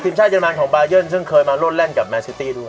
ทีมชาติเยอนานของบายันซึ่งเคยมาร่วมเล่นกับแมนซิตี้ด้วย